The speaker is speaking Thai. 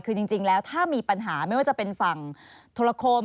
คือจริงแล้วถ้ามีปัญหาไม่ว่าจะเป็นฝั่งธุรโคม